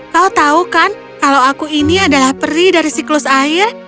kau tahu kan kalau aku ini adalah peri dari siklus air